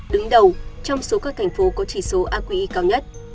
đứng đầu trong số các thành phố có chỉ số aqi cao nhất